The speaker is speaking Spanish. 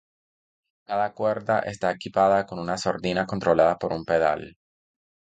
Cada cuerda está equipada con una sordina controlada por un pedal.